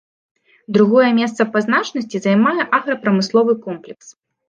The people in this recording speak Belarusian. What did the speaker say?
Другое месца па значнасці займае аграпрамысловы комплекс.